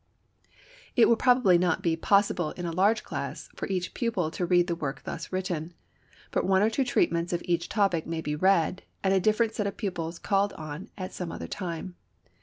It will probably not be possible in a large class for each pupil to read the work thus written. But one or two treatments of each topic may be read, and a different set of pupils called on at some other time.